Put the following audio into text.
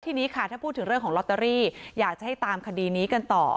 ทีนี้ค่ะถ้าพูดถึงเรื่องของลอตเตอรี่อยากจะให้ตามคดีนี้กันต่อ